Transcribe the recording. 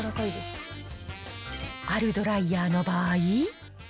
あるドライヤーの場合。